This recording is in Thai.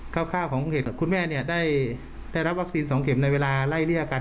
ข้าวข้าวของเหตุคุณแม่เนี้ยได้ได้รับวัคซีนสองเข็มในเวลาไล่เลี่ยกัน